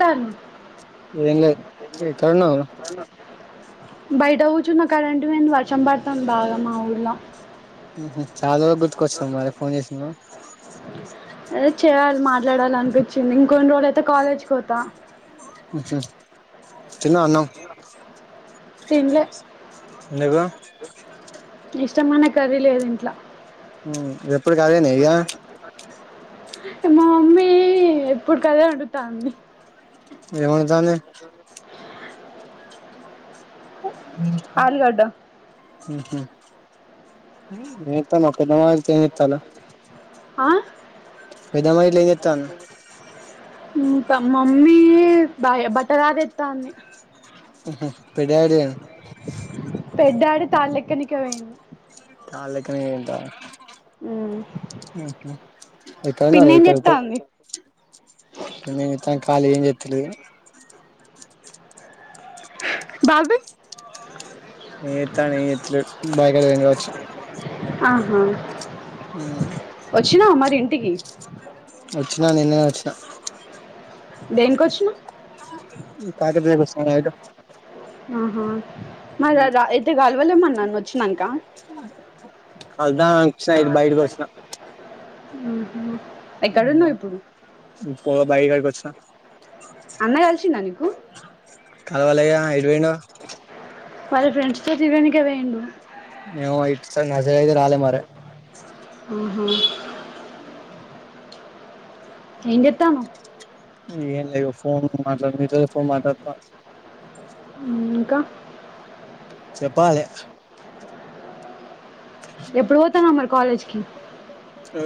తన్ ఏం లేదు ఎక్కడున్నావ్ బయట కూర్చున్న కరెంటు ఏంది వర్షం పడతాను బాగా మా ఊర్లో ఉహూ చాలా వరకు గుర్తుకొచ్చినం మరి ఫోన్ చేసినావు అదే చేయాలి మాట్లాడాలి అనిపించింది ఇంకొన్ని రోజులు అయితే కాలేజ్కి పోతా ఉహూ తిన్నావా అన్నం తినలే ఎందుకు ఇష్టమైన కర్రీ లేదు ఇంట్లో ఉమ్ ఎప్పుడు కదేన ఇక మా మమ్మీ ఎప్పుడు కదే వండుతాంది ఏమండుతంది స ఉమ్ ఉహూ ఏంత మకు నతేని ఇత్తలా ఆ పెద్ద గెయిట్లేదే మమ్మీ బా బట్టరాలెత్త వుంది పెద్ద డాడీ పెద్దాడు తాళెక్కనిక పోయిండు తాలెక్కన ఎంటా ఉహూ పిన్ని ఎక్కడున్నారు ఏం ఎక్కడెక్కడో చేత్తాంది నేనైతే ఖాళీగా ఏం చేత్తలేదు బాబి ఏం చేత్తం ఏం చేత్తలేదు బాయకడ పనిచేత్తం ఆహా ఉమ్ వచ్చినావా మరి ఇంటికి వచ్చిన నిన్నే వచ్చిన దేనికొచ్చినావ్ [unintelligible] ఆహా మా దదా అయితే కాలవలేమన్న వచ్చినాక అద్ద వచ్చిన బయటకి వచ్చిన ఉహూ ఉమ్ ఇప్పుడు దా బాయకాడికొచ్చినా అన్న కలిసిండా నీకు కావాలయ ఎటుపోయినవ్ వాళ్ళ ఫ్రెండ్స్ తో తీ యడానికి పోయిండు మేము ఇటు సై ఆ సైడ్ అయితే రాలే మరి మ్మ్ఉమ్మ్ ఉ ఏం చెత్తానవ్ ఏంలే ఇగో ఫోన్ మాట్లాడు నీతో ఫోన్ మాట్లాడుతున్న ఇంకా చెప్పాలి ఎప్పుడు పోతాన్నావ్ మరి కాలేజ్‌కి ఆ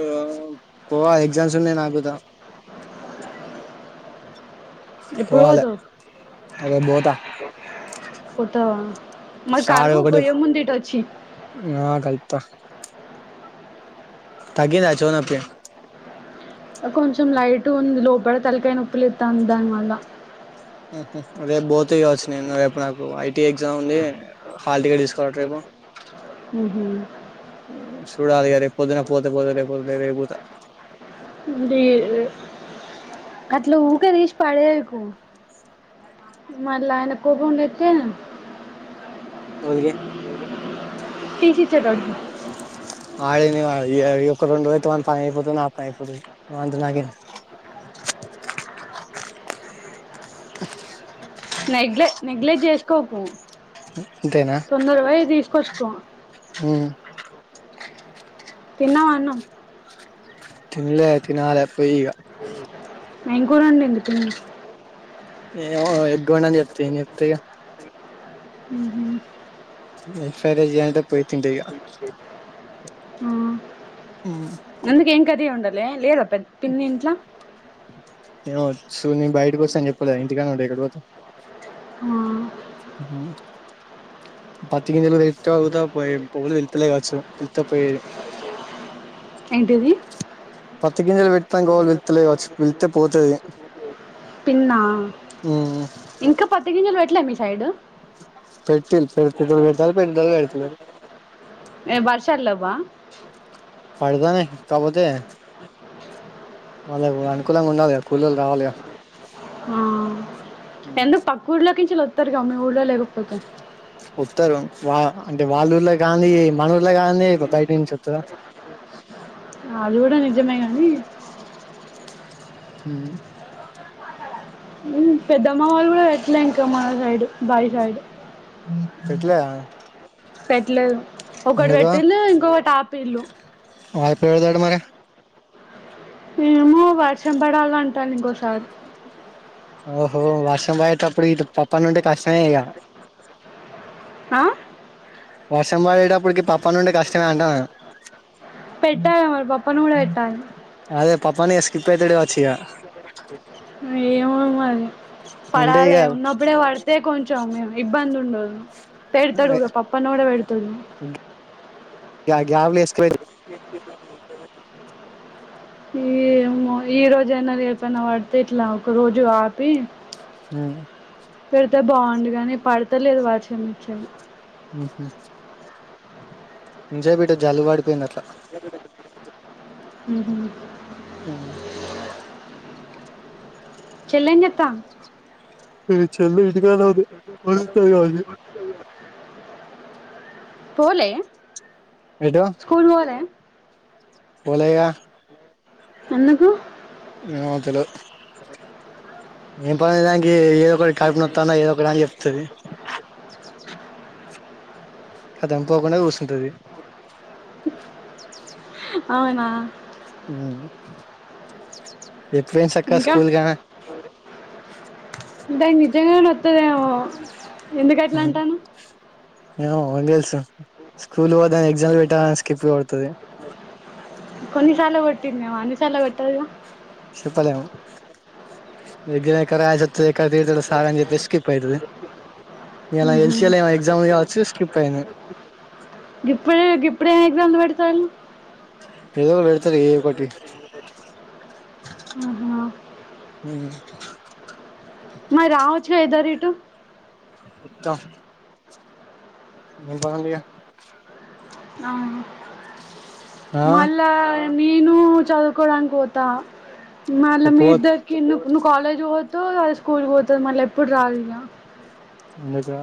పోవా ఎగ్జామ్స్ ఉన్నాయి నాకుతా ఎప్పుడు పోవాలే పోతావ్ రేపు పోతా పోతావా మరి సార్ కలువు ఒకటే పోయేముందు ఇటొచ్చి ఆ కలుత్తా తగ్గిందా చివి నొప్పి ఆ కొంచెం లైట్‌గా ఉంది లోపల తలకాయ నొప్పి లేత్తంది దానివల్ల ఆహా రేపు బోతా కావచ్చు నేను రేపు నాకు ఐటీ ఎగ్జామ్ ఉంది హాల్ టికెట్ తీసుకోవాలట రేపు మ్మ్ఉమ్మ్ సూడాలి ఇగ రేపు పొద్దున పోతే పోతా లేకపోతే లేదు రేప్ పోతా డి అట్ల ఉకే తీసి పాడేయకు మళ్లా ఆయనకు కోపం లేతే ఎవరికి టిసి ఇచ్చేటోళ్లకి ఆయనే ఈ ఒక్క రెండు రోజులు అయితే వాని పని అయిపోతాది నా పని అయిపోతాది వానితో నాకేమీ నెగ్లె నెగ్లెక్ట్ చేసుకోకు ఇంతేనా తొందర పోయి తీసుకొచ్చుకో ఉమ్మ్ తిన్నావా అన్నం తిన్లే తినాలే పోయి ఇగ ఏం కూర వండింది పిన్ని ఏమో బోయినంక చెప్తా ఏం చెప్తా ఇగ మ్మ్ఉమ్మ్ ఎగ్ ఫ్రైడ్ రైస్ చేయంటే పోయి తింటాయి ఇగ ఆ, ఉమ్ అందుకే ఏం కర్రీ వండలే లేదా పె పిన్ని ఇంట్లా ఏమో చూ నేను బయటకి వచ్చినా అని చెప్పలే ఇంటికానే ఉంటది ఎక్కడా పోత ఆ, ఉమ్ పత్తి గింజలు పెటే అళ్లతో పోయేది ఎవళ్ళు పిలుత్తాలే కావచ్చు పిలిత్తే పోయేది ఏంటిది పత్తి గింజలు పెత్తనికి ఎవళ్ళు పిలుత్తాలే కావచ్చు పిలుత్తే పోతది పిన్నా మ్మ్ ఇంకా పత్తి గింజలు పెట్లే మీ సైడు పెట్టిల్లు పెట్టేటోళ్ళు పెడతారు పెట్టేటోలు పెడతలేదు ఏ వర్షాలు లెవ్వా పడతన్నయ్ కాకపోతే వాళ్ళకు అనుకూలంగా ఉండాలిగా కూలోల్లు రావాలిగా ఆ ఎందుకు పక్కూర్లో కించెళ్ళి వత్తరుగా మీ ఊళ్లో లేకపోతే వత్తరు వా అంటే వాళ్లు ఊర్లో కానిదే మన ఊరిలో కానిదే బయట నుంచి వత్తదా అది కూడా నిజమే గానీ ఉమ్ పెద్దమ్మ వాళ్ళు కూడా పెట్టలే ఇంకా మా సైడ్ బాయి సైడ్ పెట్టలే పెట్టలేదు. ఒకటి పెట్టిల్లు ఇంకొకటి ఆపిల్లు ఆ ఎప్పుడు పెడతాడంట మరి ఏమో వర్షం పడాలాంట ఇంకోసారి ఓహో! వర్షం బడేటప్పుడు ఇటు పప్ప నుంటే కష్టమే ఇగ ఆ వర్షం పడేటప్పటికి పప్ప నుండి కష్టమే అంటాన్నాను. పెట్టా మరి పప్ప ను కూడా పెట్టాలి. అదే పప్పాన్న స్కిప్ అయితడు గా వచ్చు ఇగ ఏమో మరి ఉంటే పడాలి ఇక ఉన్నప్పుడే పడు అదే కొంచెం మేము ఇబ్బంది ఉండదు. పెడతాడు పప్పన్న కూడా పెడతాడు. య గ్యావులే ఎస్క్వేర్‌ ఏమో ఈ రోజైనా రేపైనా పడితే ఎట్లా ఒక రోజు ఆపి ఉ పడితే బాగుండు గానీ పడతాలేదు వర్షం ఆహ చ ఇంతసేపు ఇట్లా జల్లు పడిపోయింది అట్లా మ్ మ్ చెల్లి ఏం చేస్తా మీ చెల్లి ఇంటికాడే ఉంది వస్తాది గావచ్చు. పోలే ఎటు స్కూల్ పోలే పోలేగా ఎందుకు ఏమో తెలవదు ఏం పని దానికి ఏదో ఒకట కడుపు నొత్తది ఏదో ఒకటి దానికి చెప్తాది. ధమ్ పోకుండా కూసుకుంటాది. అవునా మ్ యెట్లైంది సక్కగా ఇంకా స్కూల్ కానా దానికి నిజంగా నోత్తదేమో ఎందుకు అట్లా గానే అంటాన్నావు. ఏమో ఎవనికి తెలుసు స్కూల్ పోతే ఎగ్జామ్ పెడతారని స్కిప్ కొడతాది. అ కొన్నిసార్లు కొట్టింది ఏమో అన్నిసార్లు కొట్టదు గా చెప్పలేము ఎగ్జామ్ ఎక్కడ రాయలసీ వస్తుందో ఎక్కడ సార్ తిడతాడు అని చెప్పేసి స్కిప్ అయితాది. ఇయలా ఊహూ. తెలిసి ఏమో ఎగ్జామ్ కావచ్చు స్కిప్ అయింది. గిప్పుడే గిప్పుడే ఏం ఎగ్జాములు పెడతారు. ఏవో పెడతారు ఏవో ఒకటి ఆహా! మరి రావచ్చుగా ఇద్దరు ఇటు ఉత్త [unintelligible] అ అ మళ్ళా నేను చదువుకోడానికి పోత మళ్ళా మీ పో [unintelligible] [unintelligible] నువ్వు కాలేజ్ పోతువు అ స్కూల్కి పోతుంది మళ్ళీ ఎప్పుడు రా [unintelligible] ఎందుకు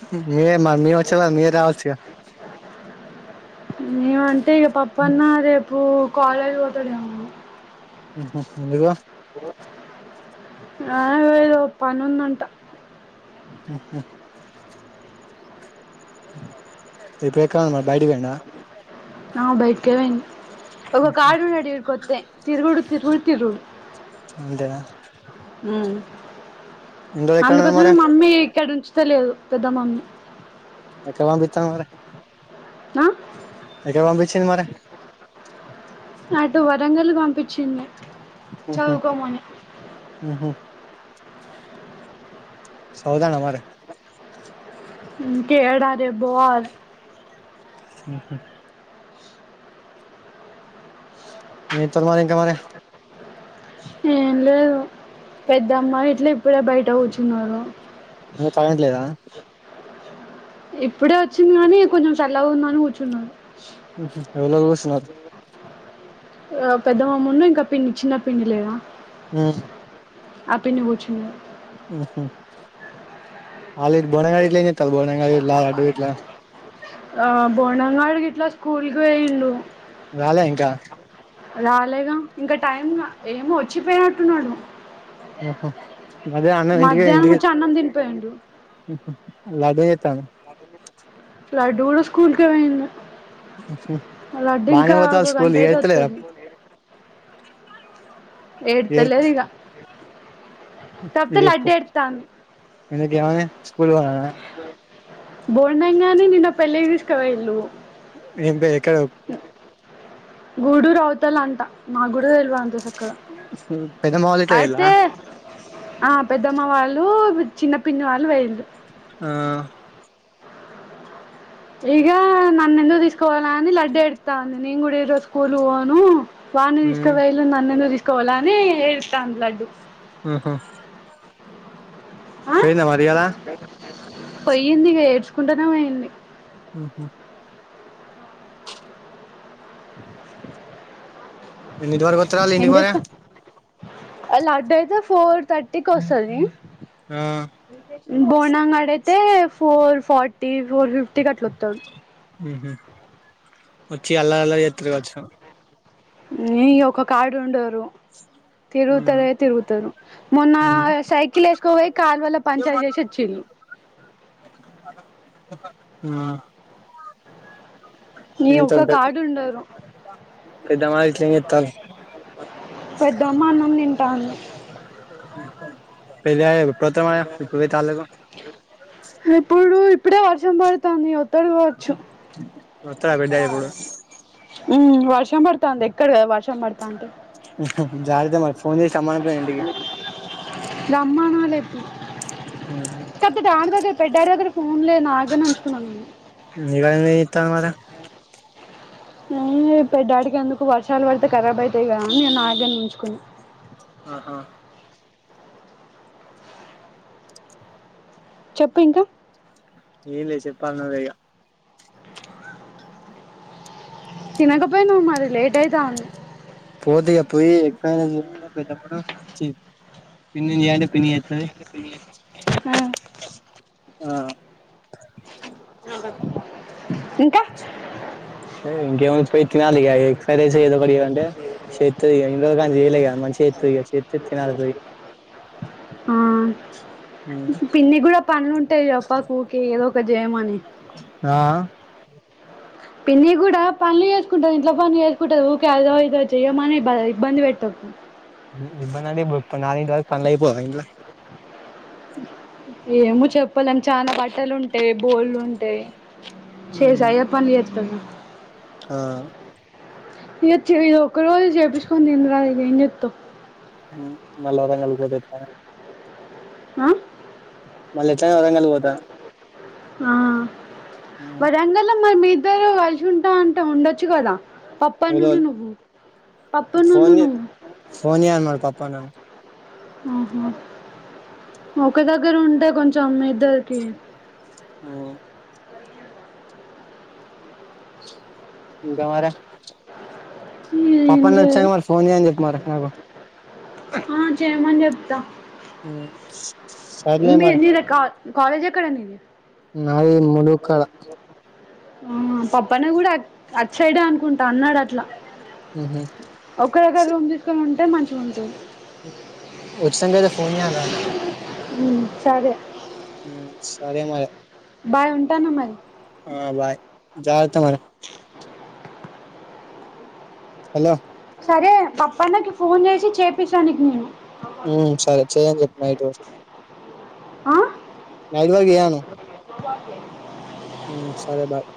[unintelligible] మీరు రా వచ్చుగా మేమంటే ఇగ పపన్న రేపు కాలేజ్ పోతాడు ఏమో [unintelligible] [unintelligible] పనుంది అంట ఆహ [unintelligible] బయటికి పోయిండ ఆ బయటికే [unintelligible] ఒక కార్డు అడిగుడి [unintelligible] తిరుగుడు తిరుగుడు తిరుగుడు అంతేన ఉన్నాడు అందుకోసమే మరి మమ్మీ ఇక్కడ ఉంచిత లేదు పెద్ద మమ్మీ ఎక్కడ మాం బిత్తా మరి ఆ? ఎక్కడ [unintelligible] [unintelligible] వరంగల్ పంపించిం [unintelligible] ఉహూ సదువుతాడ మరి [unintelligible] స స [unintelligible] [unintelligible] పెద్దమ్మ ఇట్లా ఇప్పుడే బయట కూర్చున్నారు [unintelligible] ఇప్పుడే వచ్చింది కానీ కొంచెం [unintelligible] ఉందని కూర్చున్నాను [unintelligible] ఇంకా పిన్ని చిన్ని పిన్ని లేదా ఆ ఆ పిన్ని [unintelligible] బోనంగాడు ఇట్లా స్కూల్కి వెేయిండు రాలే ఇంక రాలేగా ఇంక టైమ్ ఏమో వచ్చి పోయినట్టున్నాడు ఉహు అదే అన్నం ఇంటికి మధ్యాహ్నం ఇంటికి ఒచ్చి అన్నం తిని పోయిండు [unintelligible] లడ్డు కూడ స్కూల్కే పోయింది లడ్డు బానే ఇంకా పోతాళ్ళు గంట స్కూల్ అయితే ఏడ్తలేదా వస్తది ఏడ్ ఎడ్తలేదు ఇగ కాకపోతే లడ్డు ఎడతాంది [unintelligible] [unintelligible] నిన్న పెళ్ళికి తీసుక పోయిండు ఎం ఎక్కడ గూడురు అవుతల అంట నా గుడ [unintelligible] అంత సక్కగా పెద్దమ్మ వాళ్ళ ఇంట్ల పోయిల్లా అయితే ఆ పెద్దమ్మ వాళ్ళు చిన్న పిన్ని వాళ్ళు [unintelligible] ఆ ఇగ నన్ను ఎందుకు తీసుకవోలె అని లడ్డ ఏడుత్తంది నేను కూడా ఈ రోజు స్కూల్ పోను వాన్నీ ఉమ్ తీసుకవోయిళ్ళు నన్నును తీసుకవోలె అని ఏడుత్తంది లడ్డు ఆహా ఆ పెయింద మరియాల పోయింది ఇగా ఏడ్చుకుంటానే పోయింది ఉహు ఎన్నింటి వరకువత్తరాల్లు ఇంటికి మరె లడ్డయితే ఫోర్ థర్టీకి వస్తది ఆ బోండం గాడు అయితే ఫోర్ ఫార్టీ ఫోర్ ఫిఫ్టీకి అట్ల వొత్తడు ఉహు వచ్చి అల్లరల్లారి చేత్తారు కావొచ్చు ఏ ఇగ ఒక కాడ ఉండరు ఉమ్ తిరుగుతారే తిరుగుతారు మొన్న ఉమ్ సైకిల్ వేసుకోపోయి కాలువల పంచర్ చేసి ఓచిల్లూ ఆ ఈ ఏంటో ఒక్క కాడుండారు పెద్దమ్మ గిట్ల ఏం చెత్తల్లు పెద్దమ్మ అన్నం తింటాంది పెద్దడాడ్ అప్పుడు ఒత్తండు మరి ఇప్పుడు వోయి తాళ్లకు ఇప్పుడు ఇప్పుడే వర్షం పడుతాంది ఒత్తాడు కావచ్చు వత్తడా పెద్ద ఇప్పుడు వర్షం పడుతాంది ఎక్కడు కదా వర్షం పడుతంటే జారత మరి ఫోన్ చేసి రమ్మనకపోయినవ్ ఇంటికి రమ్మానాలే కాపోతే డాడీ దగ్గర పెద్ద డాడీ దగ్గర ఫోన్లేదు నా దగ్గరనే ఉంచుకున్నా నేను నీ దగ్గర ఏం జేత్తంది మరి ఏం లేదు పెద్దాడికి ఎందుకు వర్షాలు పడితే కరాబ్ అయితాయి కదాని ఇగ నా దగ్గరనే ఉంచుకున్న ఆహా చెప్పు ఇంకా ఏమ్లె చెప్పాల నువ్వే ఇగ తినకపోయినావు మరీ లేట్ అయితంది పోతిగా పోయి ఎగ్ ఫ్రైడ్ రైస్ చేయమంటా పెద్దమ్మను చి పిన్నిన్ చేయంటా పిన్ని చెత్తది ఆ ఆ అలా ఇంకా సరే ఇంకేముంది పోయి తినాలి ఎగ్ ఫ్రైడ్ రైస్ ఏదో ఒకటి చేయమంటే చేత్తది ఇగ ఇన్ని రోజుల కాంచి చేయలే కదా చెత్తదిగా తినాలి పోయి ఆ పిన్ని కూడా పనులు ఉంటాయి చెప్పకు ఊకే ఏదో ఒకటీ జేయమని ఆ పిన్ని కూడా పనులు చేసుకుంటది ఇంట్లో పనులు చేసుకుంటది ఊకే ఆదో ఇదో చెయ్యమని ఇబ్బంది పెట్టకు ఇబ్బందంటే ఇప్పుడు నాలుగింటి వరకు పనులు ఐపోవా ఇంట్ల ఏమో చెప్పాలేమ్ చానా బట్టలు ఉంటాయి బోళ్లు ఉంటాయి చేసా అయ్యే పనులు చెత్తది ఆ ఇక చే ఇది ఒక రోజు చేపిచ్చుకొంనీ తీనురాదు ఇగ ఏం చెత్తవ్ ఉ మల్లా వరంగల్ వోతే ఎట్ల ఆ మళ్ళా ఎట్లాగో వరంగల్ ఓతా ఆ వరంగలో మరి మీద్ ఇద్దరు గల్చుంటా అంటే ఉండొచ్చు గదా పప్ పన్నును ఏదోల్ నువ్వు పప్ప నున్న ఫోన్ చే నవ్వు ఫోన్ జేయనది పప్పు అన్ననికి ఆహా ఒక దగ్గర ఉంటే కొంచెం మీ ఇద్దరికి ఓ ఆ ఇంకా మరి ఏం పప్పన్న వచ్చాక లేదు మరి ఫోన్ జేయని జేప్ మార నాకు ఆ చేయమన్ జేప్తా ఉహ్ మీ నీడా కా కాలేజ్ ఎక్కడ నీది నాది ములుగు కాడ ఆ పప్పన గూడా అట్ అచ్చడే అనుకుంటా అన్నాడు అట్లా ఉహుహ్ ఒకే దగ్గర రూమ్ దీసుకొని ఉంటే మంచిగా ఉంటుంన్ ఉచితంగా అయితే ఫోన్ జేయరాద్ పాప ఉహ్మ్ సరే ఉహ్మ్ సరే మరి బాయ్ ఉంటాను మర్ ఆ బాయ్ జాగ్రత్త మరి హలో సరే బప్పన్నకి ఫోన్ జేసి చేపిచనా నీక్ నీను ఉహ్ సరే చెయ్యని జేప్ నైట్ వర్క్ నైట్ వరగ్ జేయ్యాను. ఊవకే ఉహ్మ్ సరే బాయ్